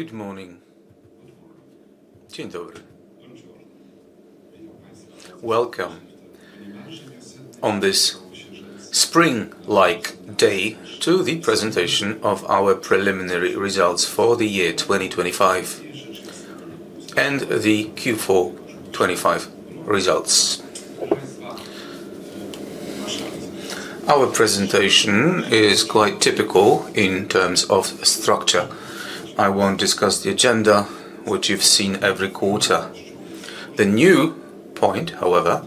Good morning. Dzień dobry. Welcome, on this spring-like day, to the presentation of our preliminary results for the year 2025 and the Q4 2025 results. Our presentation is quite typical in terms of structure. I won't discuss the agenda, which you've seen every quarter. The new point, however,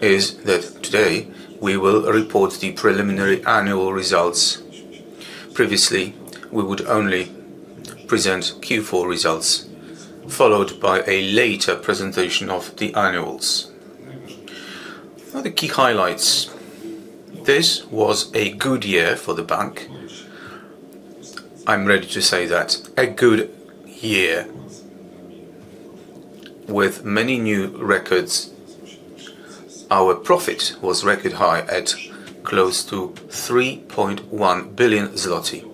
is that today we will report the preliminary annual results. Previously, we would only present Q4 results, followed by a later presentation of the annuals. Now, the key highlights. This was a good year for the bank. I'm ready to say that, a good year with many new records. Our profit was record high at close to 3.1 billion zloty.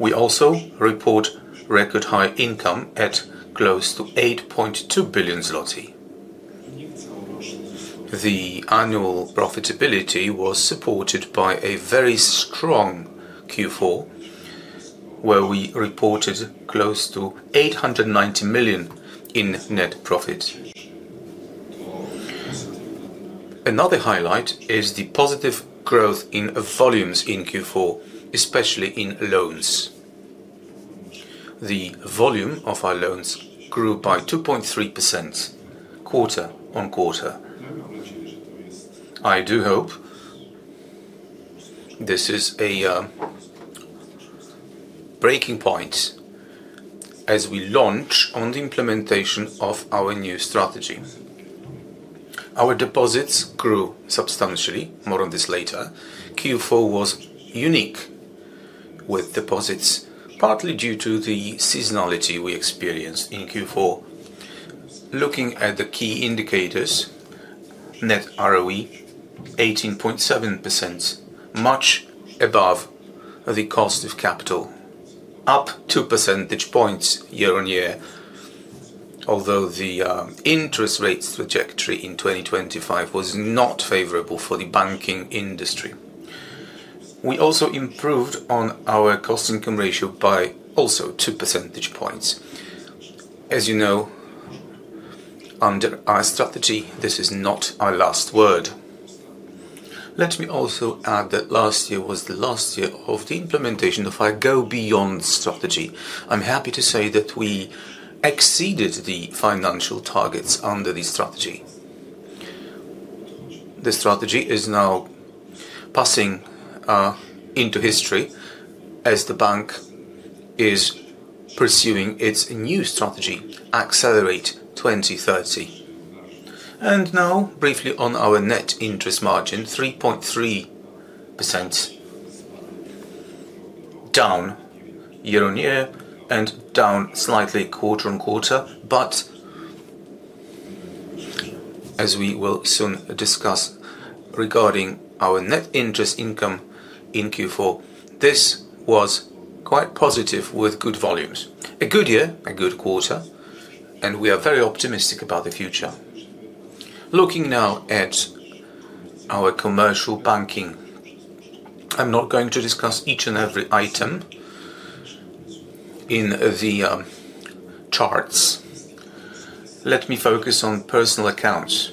We also report record high income at close to 8.2 billion zloty. The annual profitability was supported by a very strong Q4, where we reported close to 890 million in net profit. Another highlight is the positive growth in volumes in Q4, especially in loans. The volume of our loans grew by 2.3%, quarter-on-quarter. I do hope this is a breaking point as we launch on the implementation of our new strategy. Our deposits grew substantially. More on this later. Q4 was unique with deposits, partly due to the seasonality we experienced in Q4. Looking at the key indicators, net ROE 18.7%, much above the cost of capital, up two percentage points year-on-year. Although the interest rates trajectory in 2025 was not favorable for the banking industry. We also improved on our cost-to-income ratio by also two percentage points. As you know, under our strategy, this is not our last word. Let me also add that last year was the last year of the implementation of our GObeyond strategy. I'm happy to say that we exceeded the financial targets under the strategy. The strategy is now passing into history as the bank is pursuing its new strategy, Accelerate 2030. And now, briefly on our net interest margin, 3.3% down year-on-year and down slightly quarter-on-quarter. But as we will soon discuss regarding our net interest income in Q4, this was quite positive with good volumes. A good year, a good quarter, and we are very optimistic about the future. Looking now at our commercial banking, I'm not going to discuss each and every item in the charts. Let me focus on personal accounts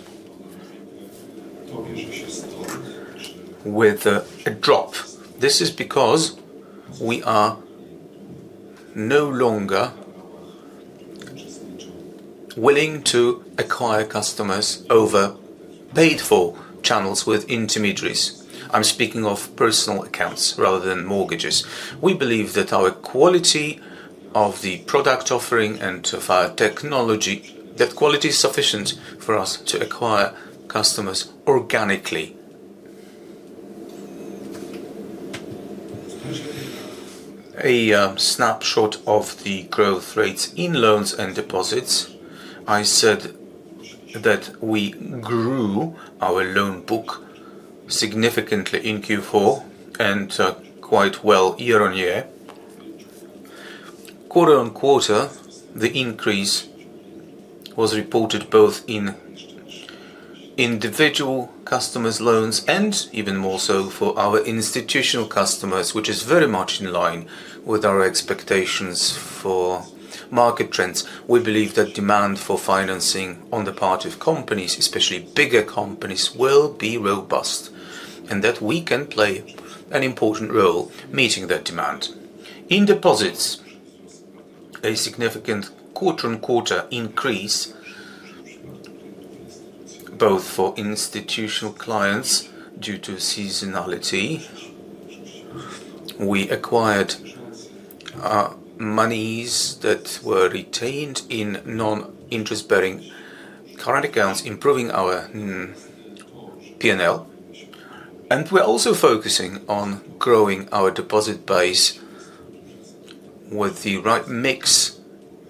with a drop. This is because we are no longer willing to acquire customers over paid for channels with intermediaries. I'm speaking of personal accounts rather than mortgages. We believe that our quality of the product offering and of our technology, that quality is sufficient for us to acquire customers organically. A snapshot of the growth rates in loans and deposits. I said that we grew our loan book significantly in Q4 and, quite well year on year. Quarter on quarter, the increase was reported both in individual customers' loans and even more so for our institutional customers, which is very much in line with our expectations for market trends. We believe that demand for financing on the part of companies, especially bigger companies, will be robust, and that we can play an important role meeting that demand. In deposits, a significant quarter-on-quarter increase, both for institutional clients due to seasonality. We acquired monies that were retained in non-interest-bearing current accounts, improving our P&L, and we're also focusing on growing our deposit base with the right mix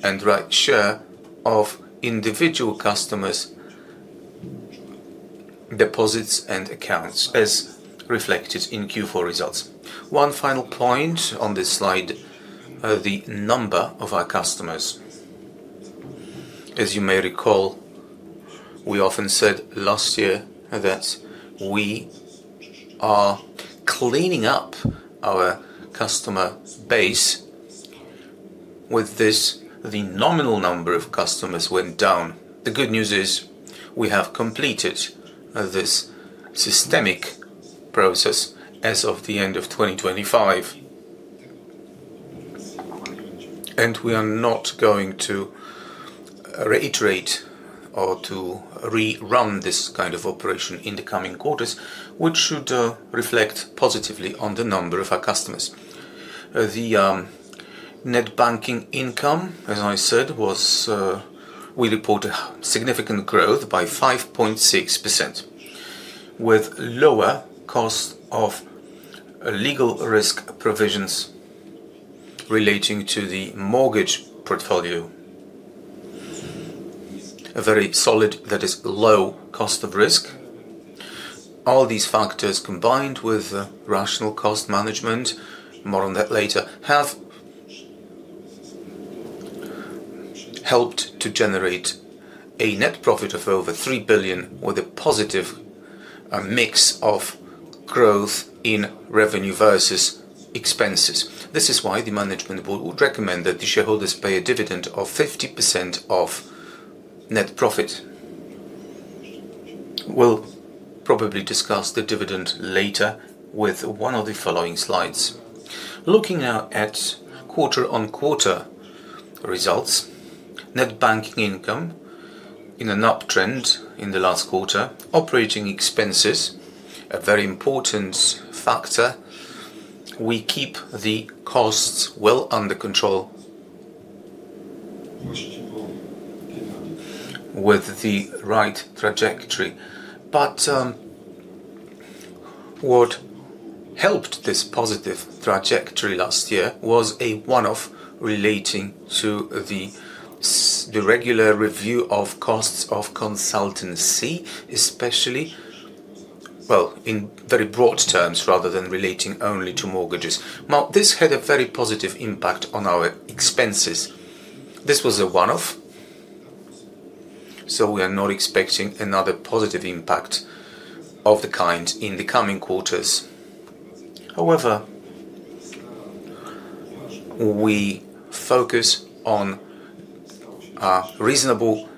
and right share of individual customers, deposits and accounts as reflected in Q4 results. One final point on this slide, the number of our customers. As you may recall, we often said last year that we are cleaning up our customer base. With this, the nominal number of customers went down. The good news is we have completed this systematic process as of the end of 2025. And we are not going to reiterate or to rerun this kind of operation in the coming quarters, which should reflect positively on the number of our customers. Net banking income, as I said, was we report a significant growth by 5.6%, with lower cost of legal risk provisions relating to the mortgage portfolio. A very solid, that is low, cost of risk. All these factors, combined with rational cost management, more on that later, have helped to generate a net profit of over 3 billion, with a positive mix of growth in revenue versus expenses. This is why the management board would recommend that the shareholders pay a dividend of 50% of net profit. We'll probably discuss the dividend later with one of the following slides. Looking now at quarter-on-quarter results, net banking income in an uptrend in the last quarter. Operating expenses, a very important factor, we keep the costs well under control with the right trajectory. What helped this positive trajectory last year was a one-off relating to the regular review of costs of consultancy, especially, well, in very broad terms, rather than relating only to mortgages. Now, this had a very positive impact on our expenses. This was a one-off, so we are not expecting another positive impact of the kind in the coming quarters. However, we focus on our reasonable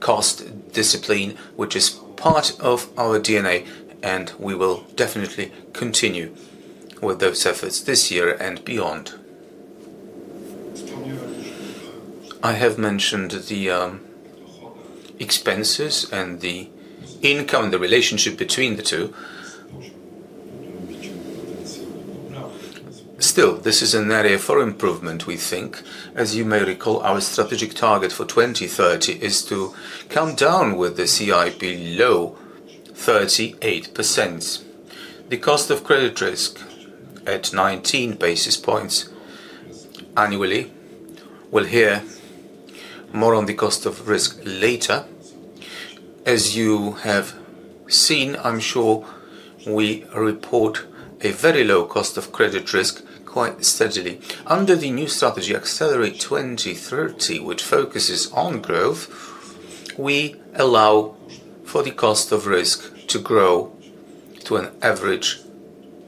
cost discipline, which is part of our DNA, and we will definitely continue with those efforts this year and beyond. I have mentioned the expenses and the income, the relationship between the two. Still, this is an area for improvement, we think. As you may recall, our strategic target for 2030 is to come down with the C/I below 38%. The cost of credit risk at 19 basis points annually. We'll hear more on the cost of risk later. As you have seen, I'm sure we report a very low cost of credit risk quite steadily. Under the new strategy, Accelerate 2030, which focuses on growth, we allow for the cost of risk to grow to an average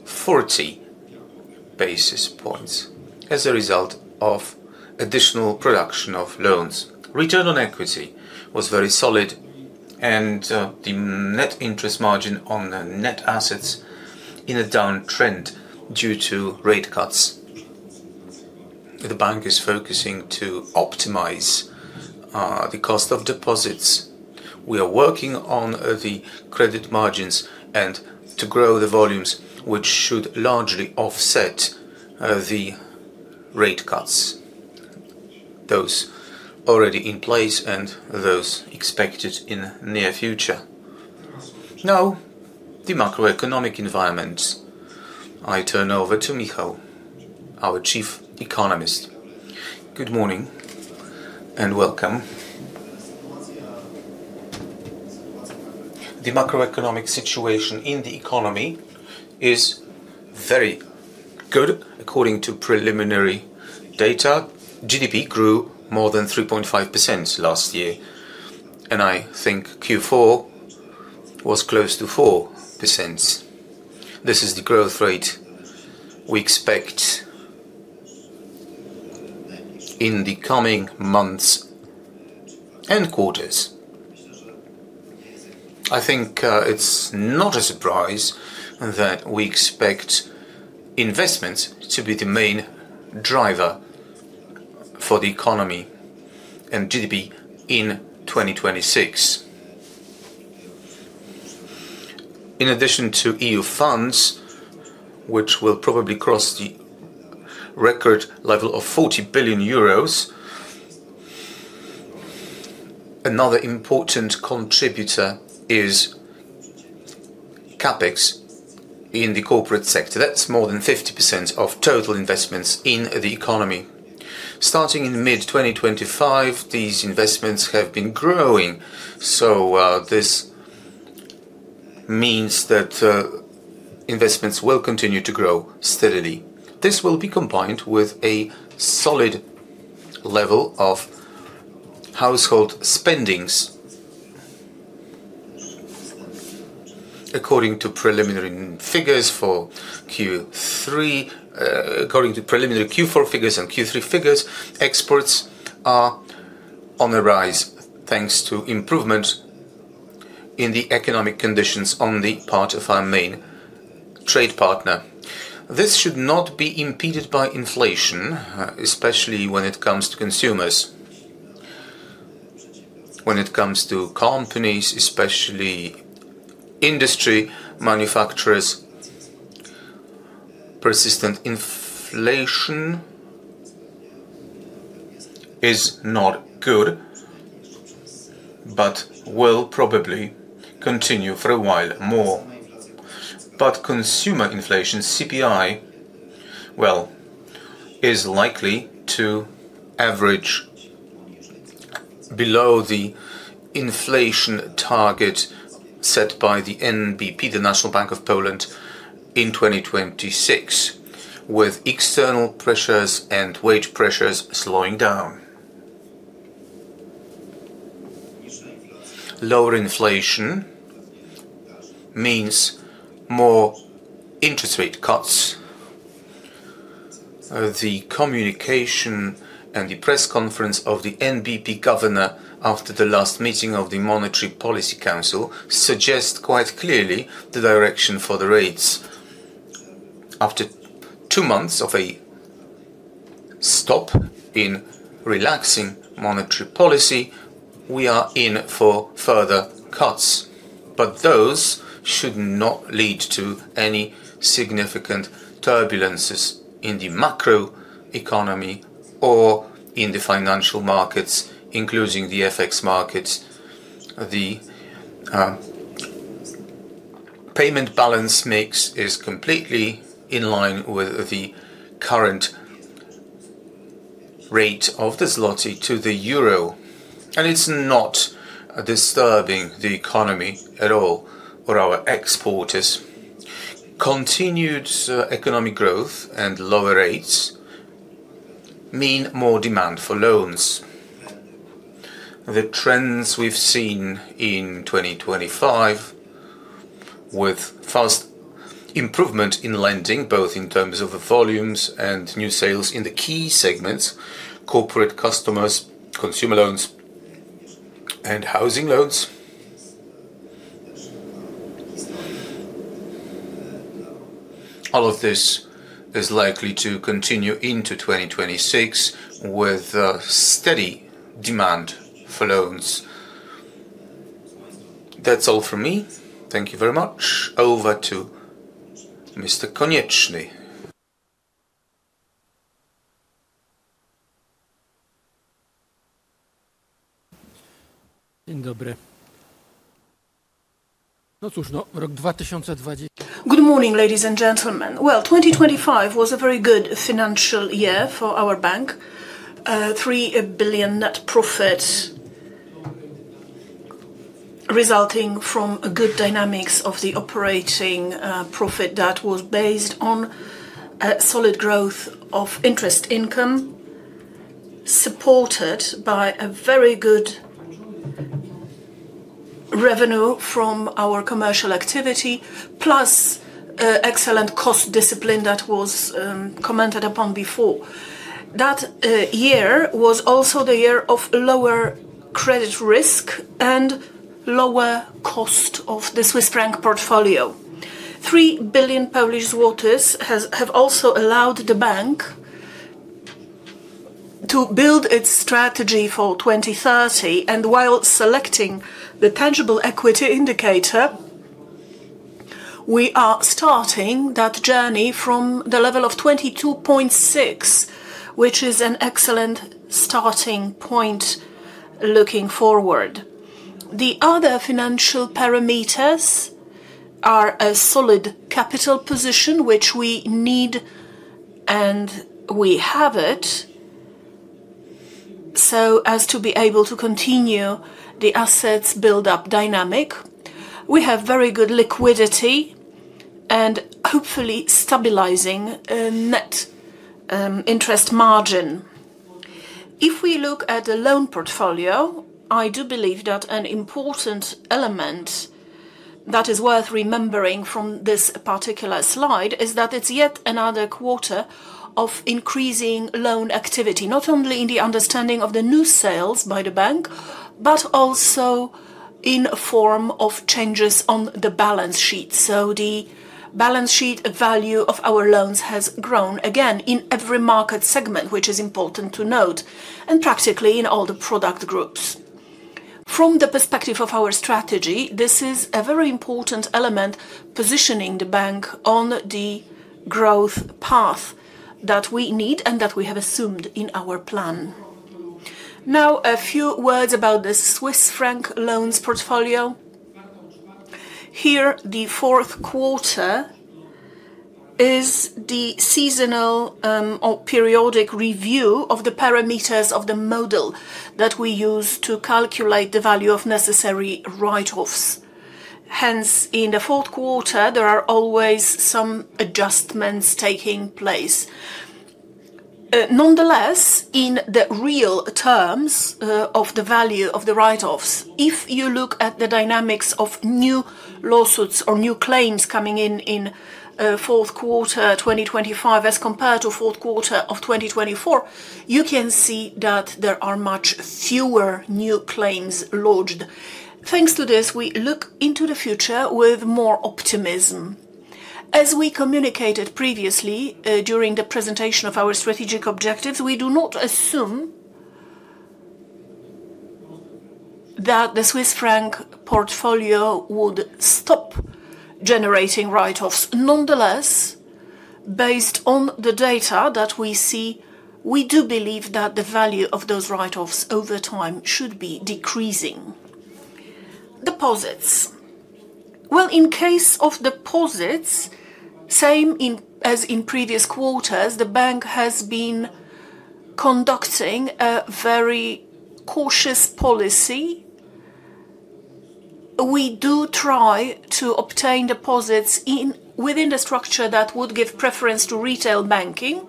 40 basis points as a result of additional production of loans. Return on equity was very solid, and the net interest margin on the net assets in a downtrend due to rate cuts. The bank is focusing to optimize the cost of deposits. We are working on the credit margins and to grow the volumes, which should largely offset the rate cuts, those already in place and those expected in near future. Now, the macroeconomic environment. I turn over to Michał, our Chief Economist. Good morning, and welcome. The macroeconomic situation in the economy is very good. According to preliminary data, GDP grew more than 3.5% last year, and I think Q4 was close to 4%. This is the growth rate we expect in the coming months and quarters. I think it's not a surprise that we expect investments to be the main driver for the economy and GDP in 2026. In addition to EU funds, which will probably cross the record level of EUR 40 billion, another important contributor is CapEx in the corporate sector, that's more than 50% of total investments in the economy. Starting in mid-2025, these investments have been growing, so this means that investments will continue to grow steadily. This will be combined with a solid level of household spending. According to preliminary figures for Q3, according to preliminary Q4 figures and Q3 figures, exports are on the rise, thanks to improvement in the economic conditions on the part of our main trade partner. This should not be impeded by inflation, especially when it comes to consumers. When it comes to companies, especially industry manufacturers, persistent inflation is not good, but will probably continue for a while more. But consumer inflation, CPI, well, is likely to average below the inflation target set by the NBP, the National Bank of Poland, in 2026, with external pressures and wage pressures slowing down. Lower inflation means more interest rate cuts. The communication and the press conference of the NBP governor, after the last meeting of the Monetary Policy Council, suggest quite clearly the direction for the rates. After two months of a stop in relaxing monetary policy, we are in for further cuts, but those should not lead to any significant turbulences in the macro economy or in the financial markets, including the FX markets. The payment balance mix is completely in line with the current rate of the zloty to the euro, and it's not disturbing the economy at all or our exporters. Continued economic growth and lower rates mean more demand for loans. The trends we've seen in 2025, with fast improvement in lending, both in terms of the volumes and new sales in the key segments, corporate customers, consumer loans, and housing loans. All of this is likely to continue into 2026, with steady demand for loans. That's all from me. Thank you very much. Over to Mr. Konieczny. Good morning, ladies and gentlemen. Well, 2025 was a very good financial year for our bank. 3 billion net profit, resulting from a good dynamics of the operating profit that was based on a solid growth of interest income, supported by a very good revenue from our commercial activity, plus excellent cost discipline that was commented upon before. That year was also the year of lower credit risk and lower cost of the Swiss franc portfolio. 3 billion Polish zlotys has, have also allowed the bank to build its strategy for 2030, and while selecting the tangible equity indicator, we are starting that journey from the level of 22.6, which is an excellent starting point looking forward. The other financial parameters are a solid capital position, which we need, and we have it, so as to be able to continue the assets build up dynamic. We have very good liquidity and hopefully stabilizing net interest margin. If we look at the loan portfolio, I do believe that an important element that is worth remembering from this particular slide, is that it's yet another quarter of increasing loan activity, not only in the understanding of the new sales by the bank, but also in form of changes on the balance sheet. So the balance sheet value of our loans has grown again in every market segment, which is important to note, and practically in all the product groups. From the perspective of our strategy, this is a very important element, positioning the bank on the growth path that we need and that we have assumed in our plan. Now, a few words about the Swiss franc loans portfolio. Here, the fourth quarter is the seasonal or periodic review of the parameters of the model that we use to calculate the value of necessary write-offs. Hence, in the fourth quarter, there are always some adjustments taking place. Nonetheless, in the real terms of the value of the write-offs, if you look at the dynamics of new lawsuits or new claims coming in in fourth quarter 2025 as compared to fourth quarter of 2024, you can see that there are much fewer new claims lodged. Thanks to this, we look into the future with more optimism. As we communicated previously, during the presentation of our strategic objectives, we do not assume that the Swiss franc portfolio would stop generating write-offs. Nonetheless, based on the data that we see, we do believe that the value of those write-offs over time should be decreasing. Deposits. Well, in case of deposits, same in, as in previous quarters, the bank has been conducting a very cautious policy. We do try to obtain deposits in, within the structure that would give preference to retail banking,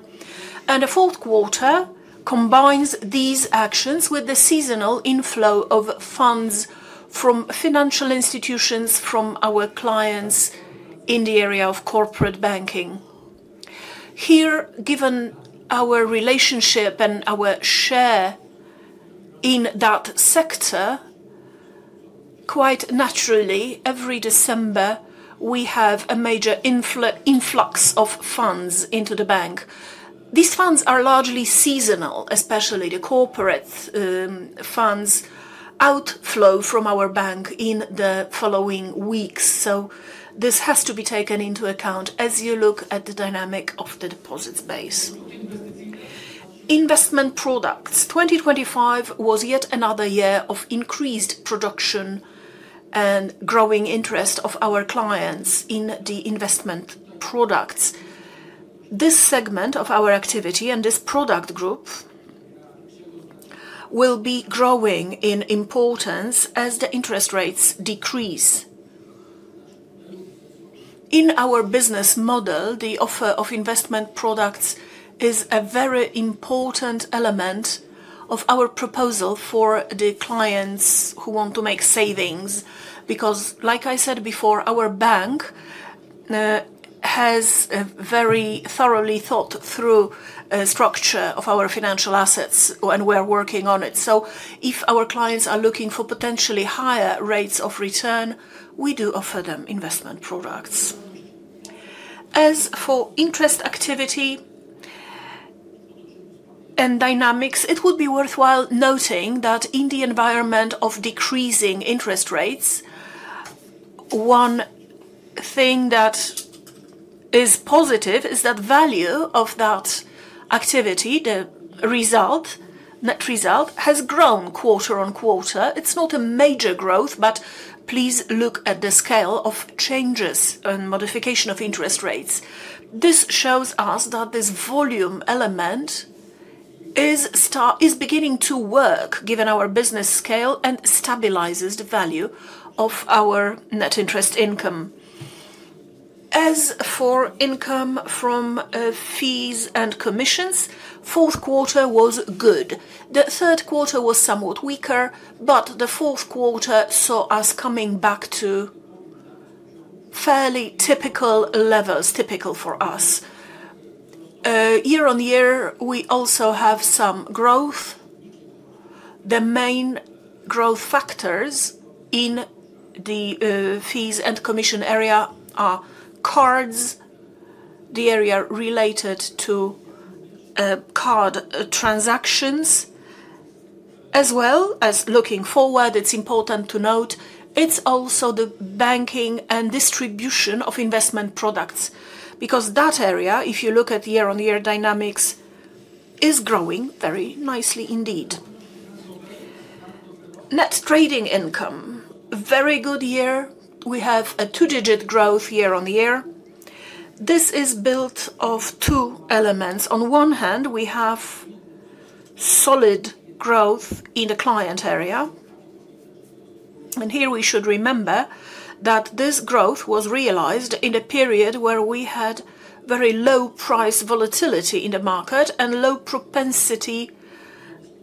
and the fourth quarter combines these actions with the seasonal inflow of funds from financial institutions, from our clients in the area of corporate banking. Here, given our relationship and our share in that sector, quite naturally, every December we have a major influx of funds into the bank. These funds are largely seasonal, especially the corporate, funds outflow from our bank in the following weeks. So this has to be taken into account as you look at the dynamic of the deposits base. Investment products. 2025 was yet another year of increased production and growing interest of our clients in the investment products. This segment of our activity and this product group will be growing in importance as the interest rates decrease. In our business model, the offer of investment products is a very important element of our proposal for the clients who want to make savings, because, like I said before, our bank, has a very thoroughly thought through, structure of our financial assets, and we're working on it. So if our clients are looking for potentially higher rates of return, we do offer them investment products. As for interest activity and dynamics, it would be worthwhile noting that in the environment of decreasing interest rates, one thing that is positive is that value of that activity, the result, net result, has grown quarter-on-quarter. It's not a major growth, but please look at the scale of changes and modification of interest rates. This shows us that this volume element is beginning to work, given our business scale, and stabilizes the value of our net interest income. As for income from fees and commissions, fourth quarter was good. The third quarter was somewhat weaker, but the fourth quarter saw us coming back to fairly typical levels, typical for us. Year-on-year, we also have some growth. The main growth factors in the fees and commission area are cards, the area related to card transactions, as well as looking forward, it's important to note, it's also the banking and distribution of investment products, because that area, if you look at year-on-year dynamics, is growing very nicely indeed. Net trading income, very good year. We have a two-digit growth year-on-year. This is built of two elements. On one hand, we have solid growth in the client area, and here we should remember that this growth was realized in a period where we had very low price volatility in the market and low propensity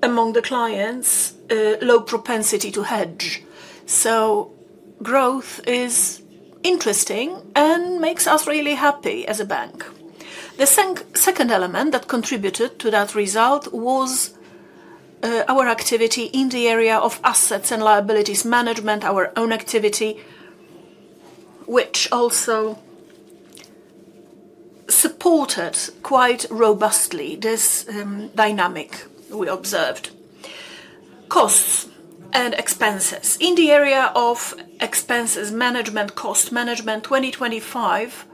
among the clients, low propensity to hedge. So growth is interesting and makes us really happy as a bank. The second element that contributed to that result was our activity in the area of assets and liabilities management, our own activity, which also supported quite robustly this dynamic we observed. Costs and expenses. In the area of expenses management, cost management, 2025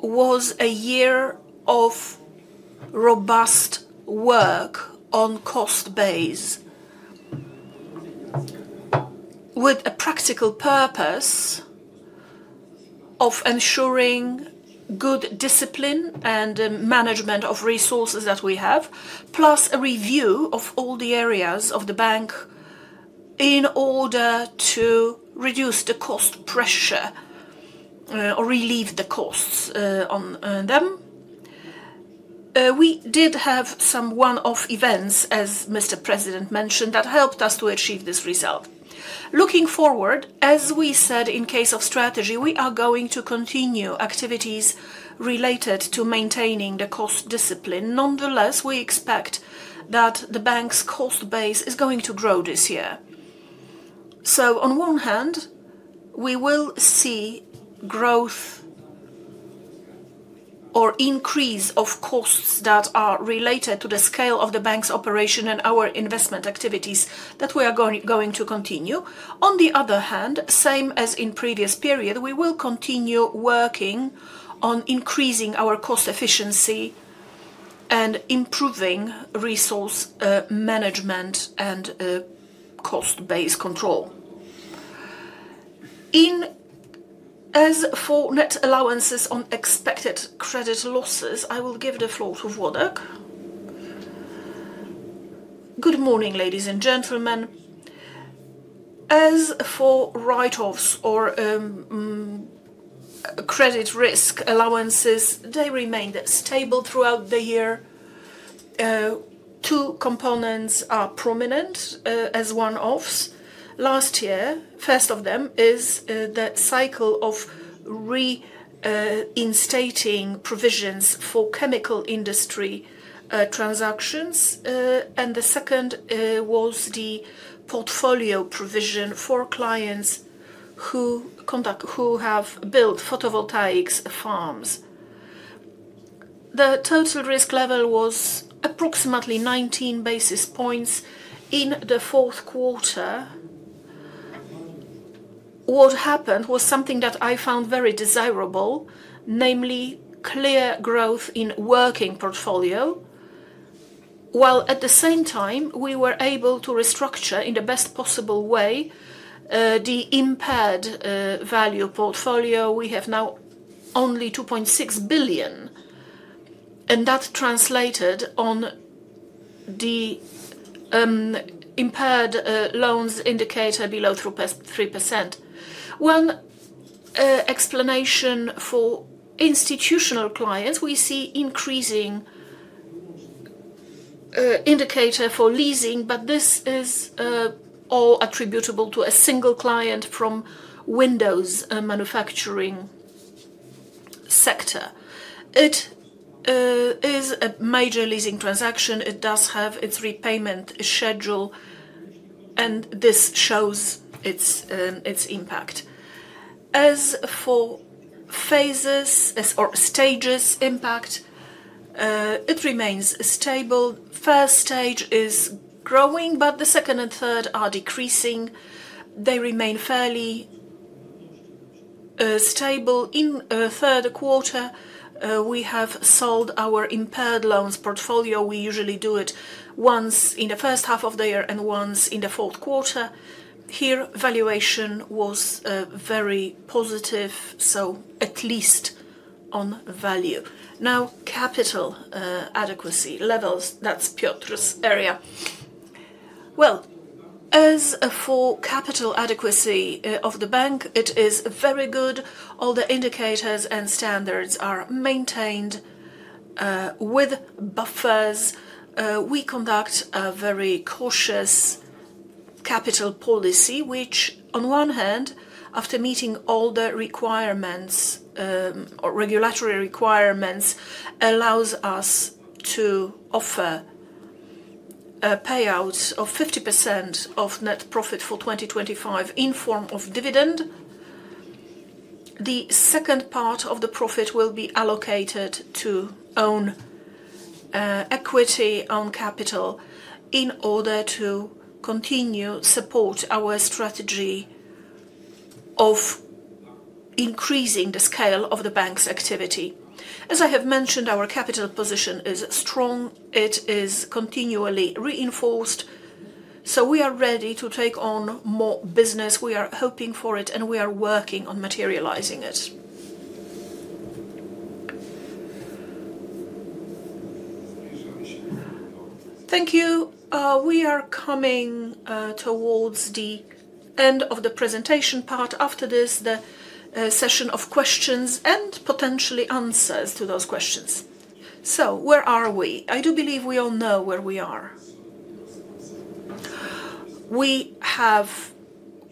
was a year of robust work on cost base, with a practical purpose of ensuring good discipline and management of resources that we have, plus a review of all the areas of the bank in order to reduce the cost pressure or relieve the costs on them. We did have some one-off events, as Mr. President mentioned, that helped us to achieve this result. Looking forward, as we said in case of strategy, we are going to continue activities related to maintaining the cost discipline. Nonetheless, we expect that the bank's cost base is going to grow this year. So on one hand, we will see growth or increase of costs that are related to the scale of the bank's operation and our investment activities that we are going to continue. On the other hand, same as in previous period, we will continue working on increasing our cost efficiency and improving resource management and cost base control. As for net allowances on expected credit losses, I will give the floor to Włodek. Good morning, ladies and gentlemen. As for write-offs or credit risk allowances, they remained stable throughout the year. Two components are prominent as one-offs. Last year, first of them is that cycle of reinstating provisions for chemical industry transactions. And the second was the portfolio provision for clients who have built photovoltaic farms. The total risk level was approximately 19 basis points in the fourth quarter. What happened was something that I found very desirable, namely, clear growth in working portfolio, while at the same time, we were able to restructure in the best possible way, the impaired, value portfolio. We have now only 2.6 billion, and that translated on the, impaired, loans indicator below 3%. One, explanation for institutional clients, we see increasing, indicator for leasing, but this is, all attributable to a single client from windows, manufacturing sector. It, is a major leasing transaction. It does have its repayment schedule, and this shows its, its impact. As for phases or stages impact, it remains stable. First stage is growing, but the second and third are decreasing. They remain fairly, stable. In third quarter, we have sold our impaired loans portfolio. We usually do it once in the first half of the year and once in the fourth quarter. Here, valuation was very positive, so at least on value. Now, capital adequacy levels, that's Piotr's area. Well, as for capital adequacy of the bank, it is very good. All the indicators and standards are maintained with buffers. We conduct a very cautious capital policy, which on one hand, after meeting all the requirements, or regulatory requirements, allows us to offer a payout of 50% of net profit for 2025 in form of dividend. The second part of the profit will be allocated to own equity, own capital, in order to continue support our strategy of increasing the scale of the bank's activity. As I have mentioned, our capital position is strong. It is continually reinforced, so we are ready to take on more business. We are hoping for it, and we are working on materializing it. Thank you. We are coming towards the end of the presentation part. After this, the session of questions and potentially answers to those questions. So where are we? I do believe we all know where we are.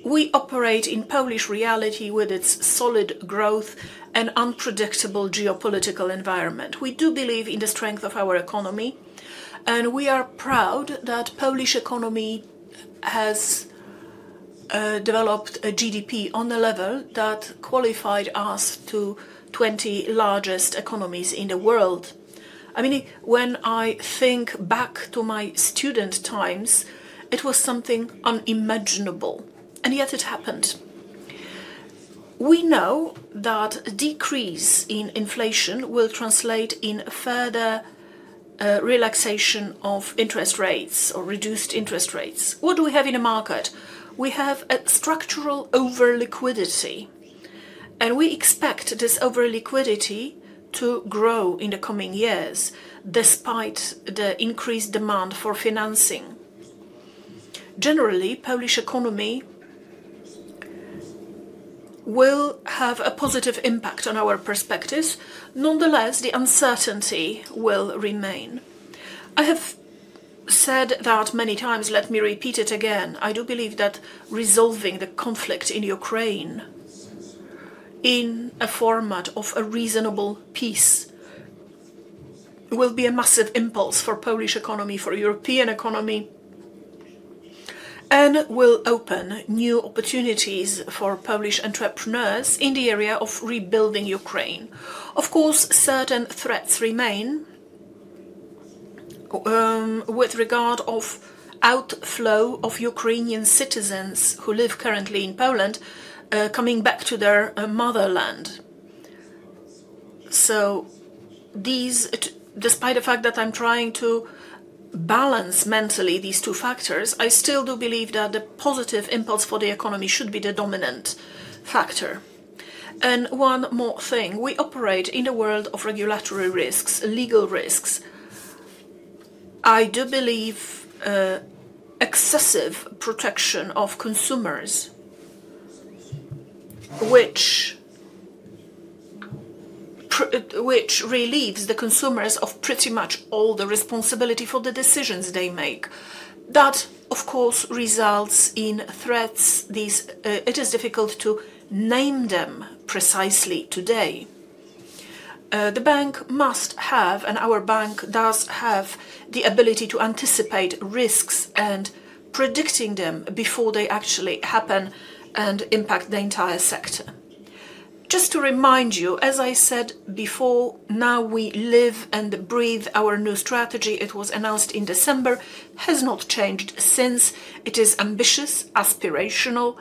We operate in Polish reality with its solid growth and unpredictable geopolitical environment. We do believe in the strength of our economy, and we are proud that Polish economy has developed a GDP on a level that qualified us to 20 largest economies in the world. I mean, when I think back to my student times, it was something unimaginable... and yet it happened. We know that a decrease in inflation will translate in further relaxation of interest rates or reduced interest rates. What do we have in the market? We have a structural over-liquidity, and we expect this over-liquidity to grow in the coming years, despite the increased demand for financing. Generally, Polish economy will have a positive impact on our perspectives. Nonetheless, the uncertainty will remain. I have said that many times, let me repeat it again: I do believe that resolving the conflict in Ukraine in a format of a reasonable peace will be a massive impulse for Polish economy, for European economy, and will open new opportunities for Polish entrepreneurs in the area of rebuilding Ukraine. Of course, certain threats remain with regard of outflow of Ukrainian citizens who live currently in Poland coming back to their motherland. So these, despite the fact that I'm trying to balance mentally these two factors, I still do believe that the positive impulse for the economy should be the dominant factor. And one more thing, we operate in a world of regulatory risks, legal risks. I do believe, excessive protection of consumers, which relieves the consumers of pretty much all the responsibility for the decisions they make. That, of course, results in threats. These, it is difficult to name them precisely today. The bank must have, and our bank does have the ability to anticipate risks and predicting them before they actually happen and impact the entire sector. Just to remind you, as I said before, now we live and breathe our new strategy. It was announced in December, has not changed since. It is ambitious, aspirational.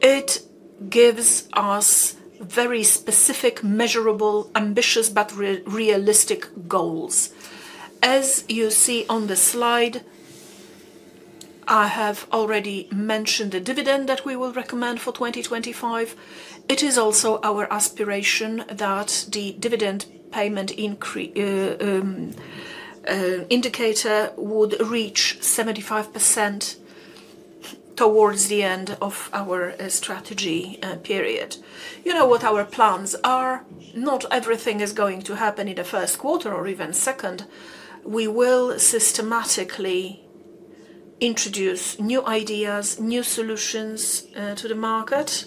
It gives us very specific, measurable, ambitious, but realistic goals. As you see on the slide, I have already mentioned the dividend that we will recommend for 2025. It is also our aspiration that the dividend payment indicator would reach 75% towards the end of our strategy period. You know what our plans are. Not everything is going to happen in the first quarter or even second. We will systematically introduce new ideas, new solutions to the market.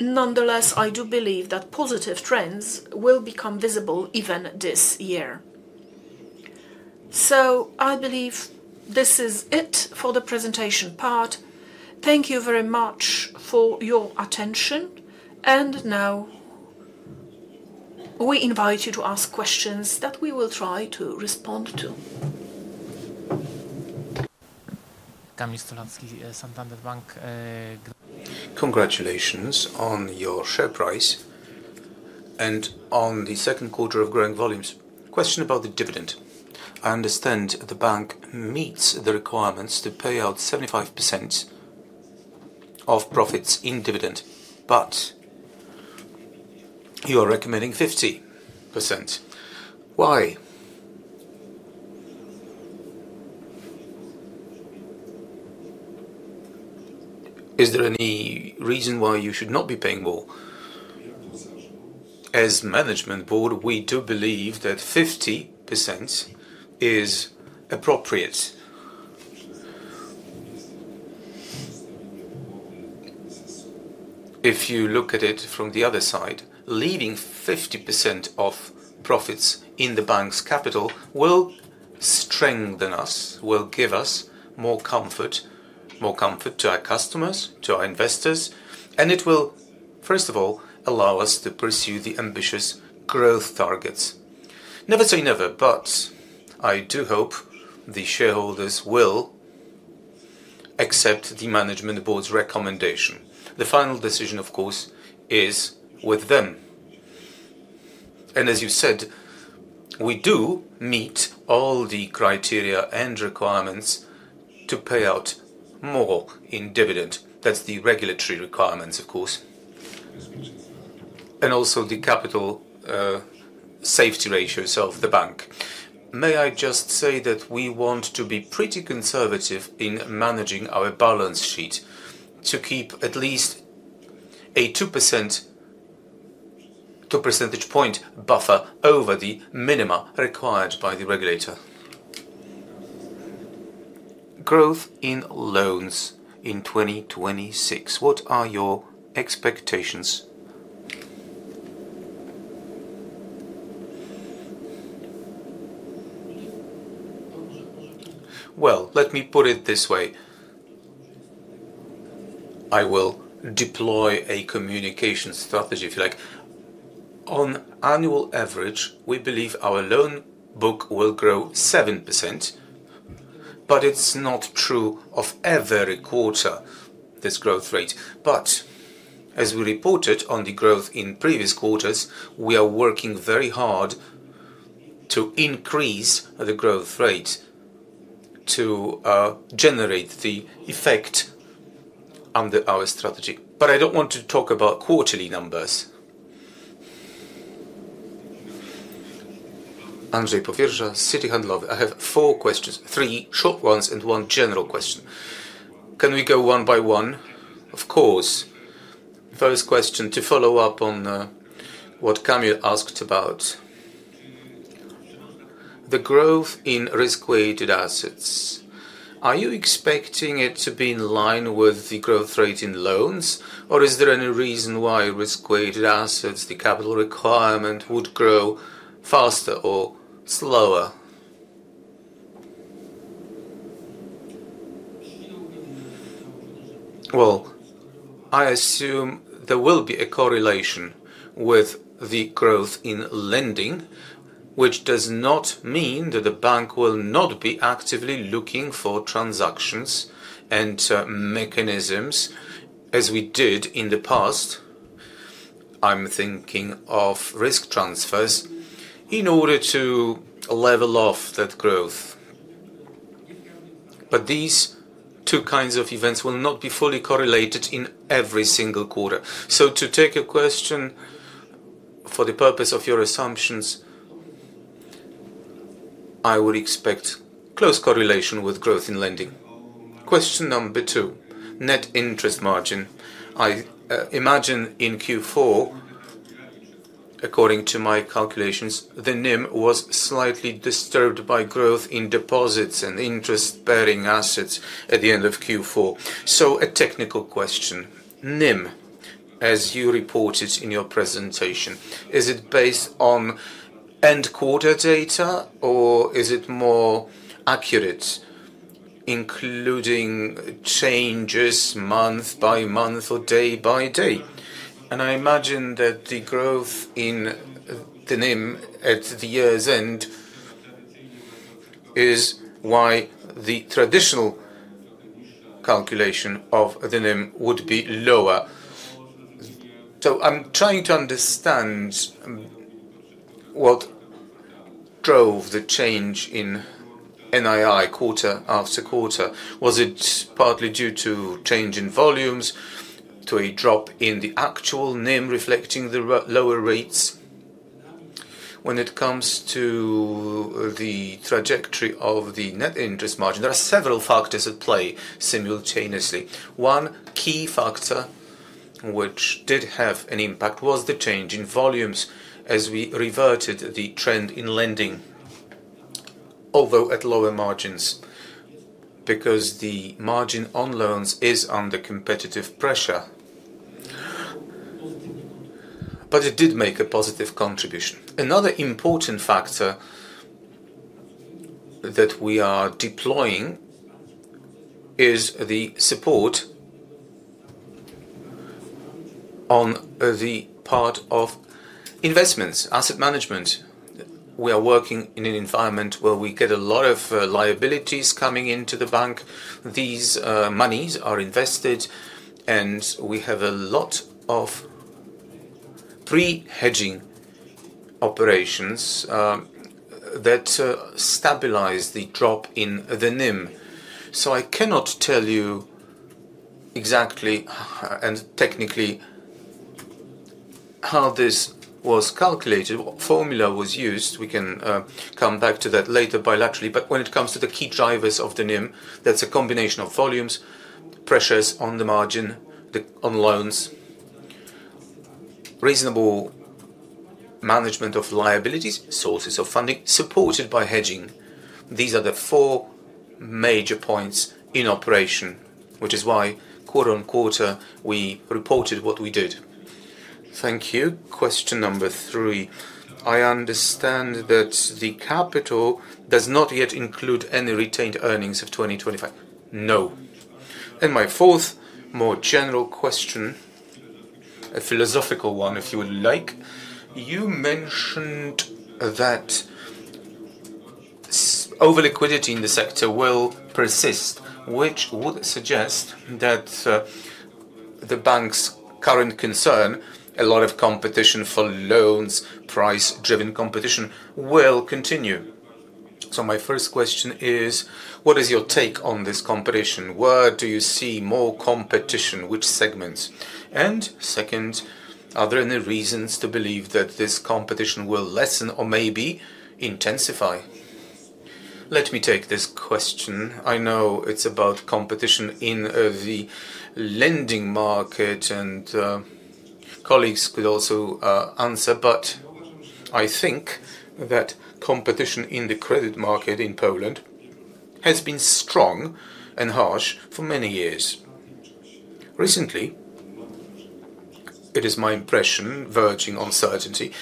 Nonetheless, I do believe that positive trends will become visible even this year. So I believe this is it for the presentation part. Thank you very much for your attention, and now we invite you to ask questions that we will try to respond to.... Kamil Stolarski, Santander Bank Polska, Congratulations on your share price and on the second quarter of growing volumes. Question about the dividend. I understand the bank meets the requirements to pay out 75% of profits in dividend, but you are recommending 50%. Why? Is there any reason why you should not be paying more? As management board, we do believe that 50% is appropriate. If you look at it from the other side, leaving 50% of profits in the bank's capital will strengthen us, will give us more comfort, more comfort to our customers, to our investors, and it will, first of all, allow us to pursue the ambitious growth targets. Never say never, but I do hope the shareholders will accept the management board's recommendation. The final decision, of course, is with them. As you said, we do meet all the criteria and requirements to pay out more in dividend. That's the regulatory requirements, of course, and also the capital, safety ratios of the bank. May I just say that we want to be pretty conservative in managing our balance sheet, to keep at least a 2%, two percentage point buffer over the minimum required by the regulator. Growth in loans in 2026, what are your expectations? Well, let me put it this way.... I will deploy a communication strategy, if you like. On annual average, we believe our loan book will grow 7%, but it's not true of every quarter, this growth rate. But as we reported on the growth in previous quarters, we are working very hard to increase the growth rate to generate the effect under our strategy. But I don't want to talk about quarterly numbers. Andrzej Powierża, Citi Handlowy. I have four questions, three short ones and one general question. Can we go one by one? Of course. First question, to follow up on what Camille asked about. The growth in risk-weighted assets, are you expecting it to be in line with the growth rate in loans, or is there any reason why risk-weighted assets, the capital requirement, would grow faster or slower? Well, I assume there will be a correlation with the growth in lending, which does not mean that the bank will not be actively looking for transactions and, mechanisms, as we did in the past. I'm thinking of risk transfers, in order to level off that growth. But these two kinds of events will not be fully correlated in every single quarter. So to take your question for the purpose of your assumptions, I would expect close correlation with growth in lending. Question number two: Net Interest Margin. I imagine in Q4, according to my calculations, the NIM was slightly disturbed by growth in deposits and interest-bearing assets at the end of Q4. So a technical question: NIM, as you reported in your presentation, is it based on end quarter data, or is it more accurate, including changes month by month or day by day? I imagine that the growth in the NIM at the year's end is why the traditional calculation of the NIM would be lower. I'm trying to understand what drove the change in NII quarter after quarter. Was it partly due to change in volumes, to a drop in the actual NIM, reflecting the lower rates? When it comes to the trajectory of the net interest margin, there are several factors at play simultaneously. One key factor which did have an impact was the change in volumes as we reverted the trend in lending, although at lower margins, because the margin on loans is under competitive pressure. It did make a positive contribution. Another important factor that we are deploying is the support on the part of investments, asset management. We are working in an environment where we get a lot of liabilities coming into the bank. These monies are invested, and we have a lot of pre-hedging operations that stabilize the drop in the NIM. So I cannot tell you exactly and technically how this was calculated, what formula was used. We can come back to that later bilaterally. But when it comes to the key drivers of the NIM, that's a combination of volumes, pressures on the margin, the on loans, reasonable management of liabilities, sources of funding, supported by hedging. These are the four major points in operation, which is why quarter-over-quarter, we reported what we did. Thank you. Question number 3: I understand that the capital does not yet include any retained earnings of 2025. No. And my fourth, more general question, a philosophical one, if you would like. You mentioned that over-liquidity in the sector will persist, which would suggest that the bank's current concern, a lot of competition for loans, price-driven competition, will continue. So my first question is: what is your take on this competition? Where do you see more competition, which segments? And second, are there any reasons to believe that this competition will lessen or maybe intensify? Let me take this question. I know it's about competition in the lending market, and colleagues could also answer, but I think that competition in the credit market in Poland has been strong and harsh for many years. It is my impression, verging on certainty,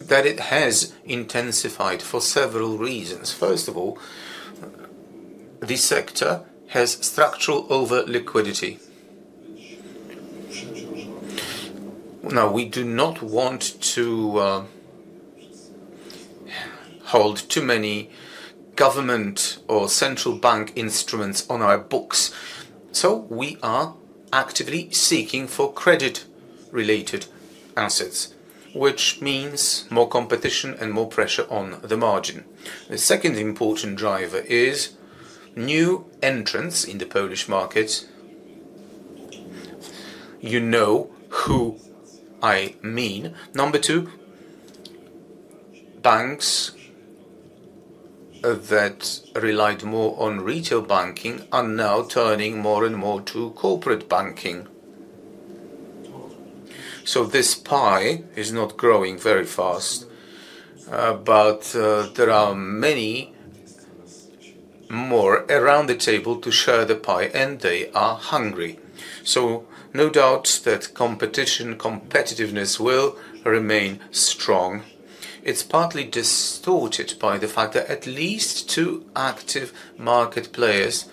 that it has intensified for several reasons. First of all, this sector has structural over-liquidity. Now, we do not want to hold too many government or central bank instruments on our books, so we are actively seeking for credit-related assets, which means more competition and more pressure on the margin. The second important driver is new entrants in the Polish markets. You know who I mean. Number two, banks that relied more on retail banking are now turning more and more to corporate banking. So this pie is not growing very fast, but there are many more around the table to share the pie, and they are hungry. So no doubt that competition, competitiveness will remain strong. It's partly distorted by the fact that at least two active market players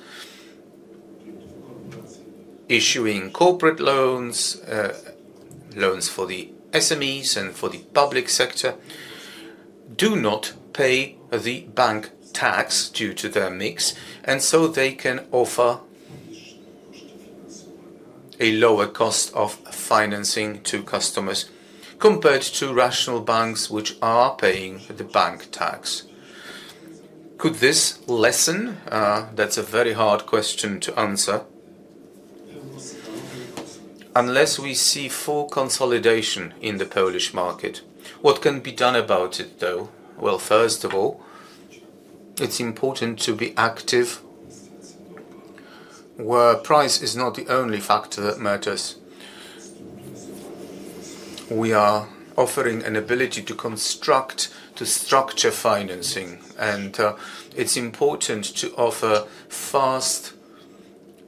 issuing corporate loans, loans for the SMEs and for the public sector, do not pay the bank tax due to their mix, and so they can offer a lower cost of financing to customers compared to rational banks which are paying the bank tax. Could this lessen? That's a very hard question to answer. Unless we see full consolidation in the Polish market. What can be done about it, though? Well, first of all, it's important to be active, where price is not the only factor that matters. We are offering an ability to construct, to structure financing, and, it's important to offer fast,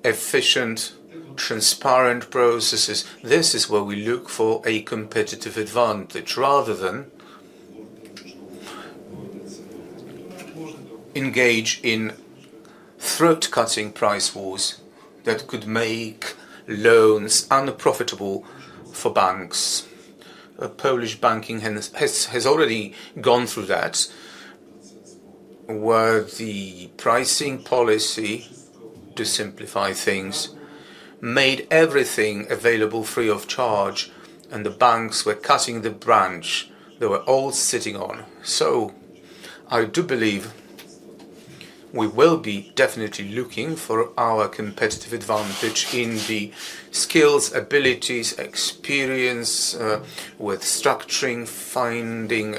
efficient, transparent processes. This is where we look for a competitive advantage rather than engage in throat-cutting price wars that could make loans unprofitable for banks. Polish banking has already gone through that, where the pricing policy, to simplify things, made everything available free of charge, and the banks were cutting the branch they were all sitting on. So I do believe we will be definitely looking for our competitive advantage in the skills, abilities, experience, with structuring, finding,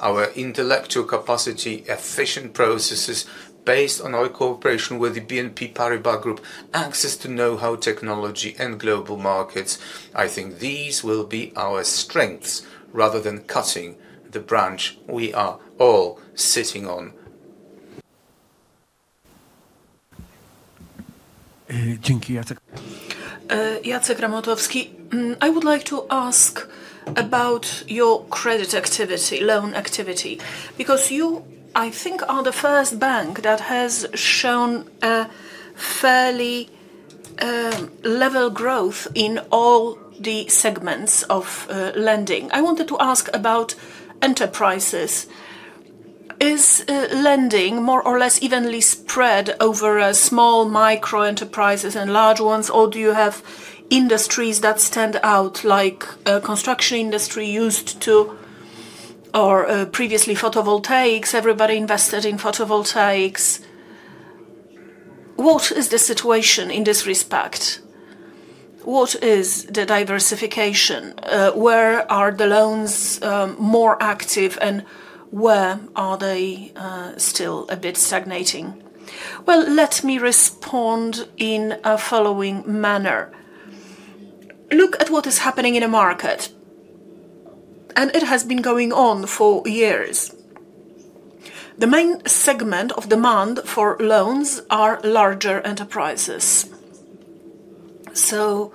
our intellectual capacity, efficient processes based on our cooperation with the BNP Paribas Group, access to know-how technology and global markets. I think these will be our strengths rather than cutting the branch we are all sitting on. Jacek. Jacek Ramotowski. I would like to ask about your credit activity, loan activity, because you, I think, are the first bank that has shown a fairly level growth in all the segments of lending. I wanted to ask about enterprises. Is lending more or less evenly spread over small micro-enterprises and large ones, or do you have industries that stand out, like construction industry used to, or previously, photovoltaics? Everybody invested in photovoltaics. What is the situation in this respect? What is the diversification? Where are the loans more active, and where are they still a bit stagnating? Well, let me respond in a following manner. Look at what is happening in the market, and it has been going on for years. The main segment of demand for loans are larger enterprises. So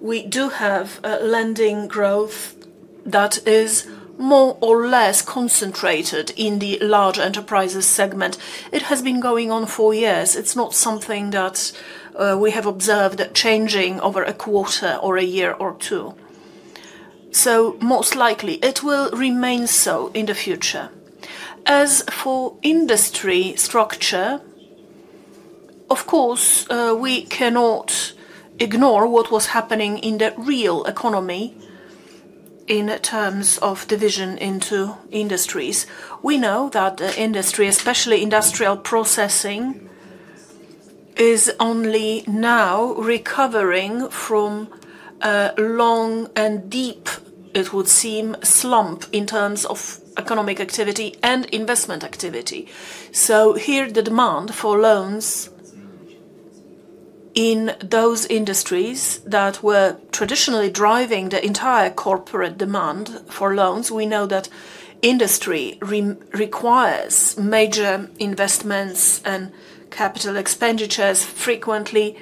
we do have a lending growth that is more or less concentrated in the larger enterprises segment. It has been going on for years. It's not something that we have observed changing over a quarter or a year or two. So most likely, it will remain so in the future. As for industry structure, of course, we cannot ignore what was happening in the real economy in terms of division into industries. We know that the industry, especially industrial processing, is only now recovering from a long and deep, it would seem, slump in terms of economic activity and investment activity. So here, the demand for loans in those industries that were traditionally driving the entire corporate demand for loans, we know that industry requires major investments and capital expenditures, frequently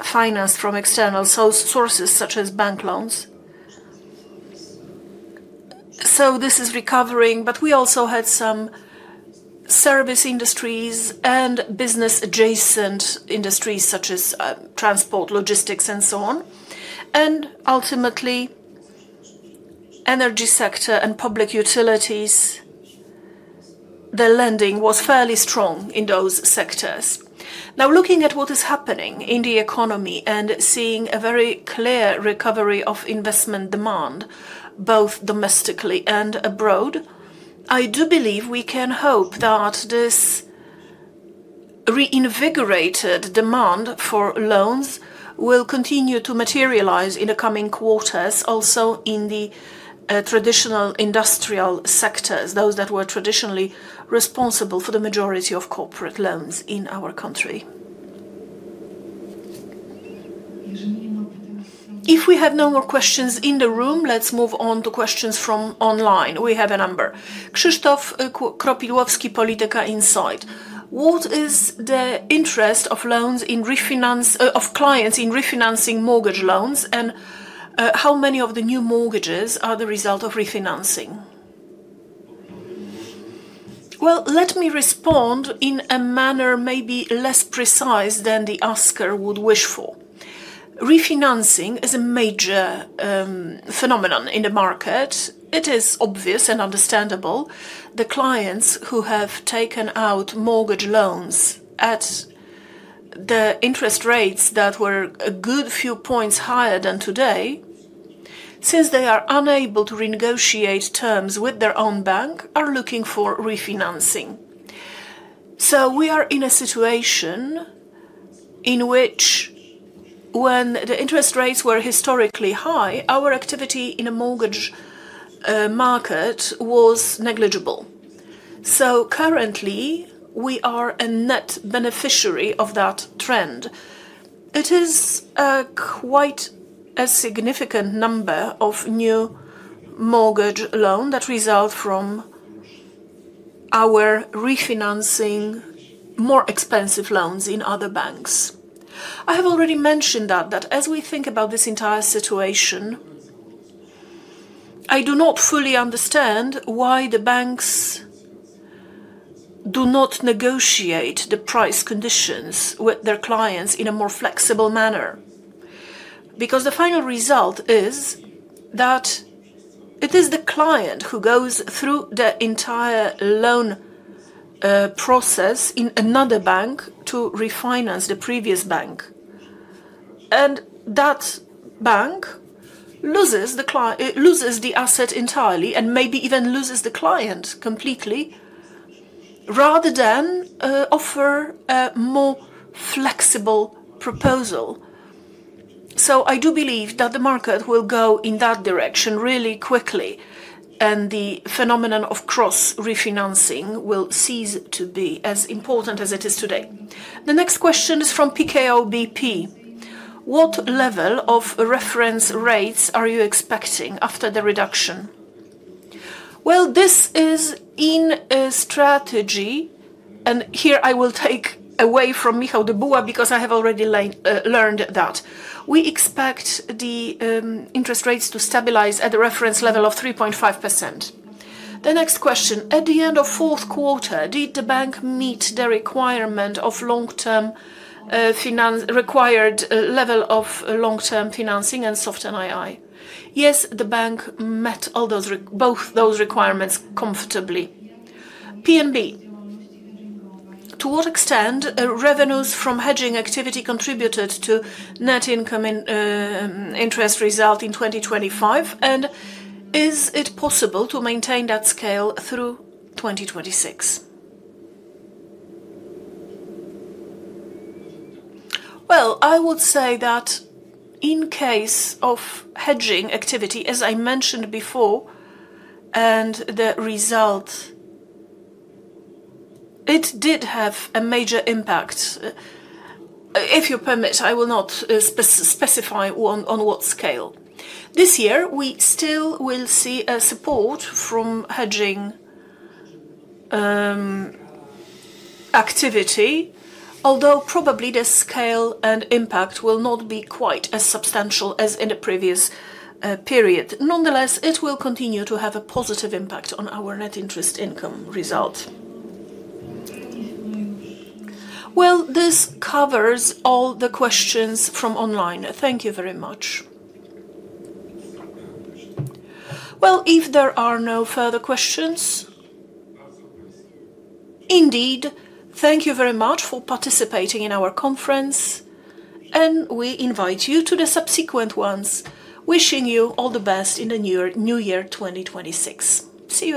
financed from external sources, such as bank loans.... So this is recovering, but we also had some service industries and business-adjacent industries, such as, transport, logistics, and so on. And ultimately, energy sector and public utilities, the lending was fairly strong in those sectors. Now, looking at what is happening in the economy and seeing a very clear recovery of investment demand, both domestically and abroad, I do believe we can hope that this reinvigorated demand for loans will continue to materialize in the coming quarters, also in the traditional industrial sectors, those that were traditionally responsible for the majority of corporate loans in our country. If we have no more questions in the room, let's move on to questions from online. We have a number. Krzysztof Kropiłowski, Polityka Insight: What is the interest of loans in refinance-- of clients in refinancing mortgage loans, and, how many of the new mortgages are the result of refinancing? Well, let me respond in a manner maybe less precise than the asker would wish for. Refinancing is a major phenomenon in the market. It is obvious and understandable. The clients who have taken out mortgage loans at the interest rates that were a good few points higher than today, since they are unable to renegotiate terms with their own bank, are looking for refinancing. So we are in a situation in which when the interest rates were historically high, our activity in a mortgage market was negligible. So currently, we are a net beneficiary of that trend. It is quite a significant number of new mortgage loan that result from our refinancing more expensive loans in other banks. I have already mentioned that, that as we think about this entire situation, I do not fully understand why the banks do not negotiate the price conditions with their clients in a more flexible manner. Because the final result is that it is the client who goes through the entire loan process in another bank to refinance the previous bank, and that bank loses the client, it loses the asset entirely and maybe even loses the client completely, rather than offer a more flexible proposal. So I do believe that the market will go in that direction really quickly, and the phenomenon of cross refinancing will cease to be as important as it is today. The next question is from PKO BP: What level of reference rates are you expecting after the reduction? Well, this is in a strategy, and here I will take away from Michał Dybuła, because I have already learned that. We expect the interest rates to stabilize at the reference level of 3.5%. The next question: At the end of fourth quarter, did the bank meet the requirement of long-term financial required level of long-term financing and soft NII? Yes, the bank met both those requirements comfortably. BNP: To what extent revenues from hedging activity contributed to net income in interest result in 2025, and is it possible to maintain that scale through 2026? Well, I would say that in case of hedging activity, as I mentioned before, and the result, it did have a major impact. If you permit, I will not specify on what scale. This year, we still will see a support from hedging activity, although probably the scale and impact will not be quite as substantial as in the previous period. Nonetheless, it will continue to have a positive impact on our net interest income result. Well, this covers all the questions from online. Thank you very much. Well, if there are no further questions... Indeed, thank you very much for participating in our conference, and we invite you to the subsequent ones. Wishing you all the best in the new year, 2026. See you!